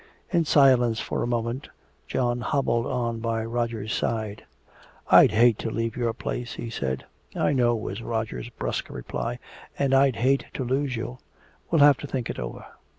In silence for a moment John hobbled on by Roger's side. "I'd hate to leave your place," he said. "I know," was Roger's brusque reply, "and I'd hate to lose you. We'll have to think it over."